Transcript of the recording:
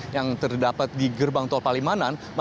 yang terdapat di gerbang tol palimanan